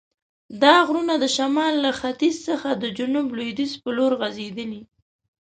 دا غرونه د شمال له ختیځ څخه د جنوب لویدیځ په لور غزیدلي.